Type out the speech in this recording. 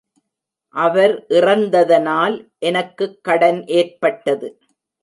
அவர் இறந்ததனால் எனக்குக் கடன் ஏற்பட்டது.